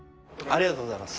ありがとうございます。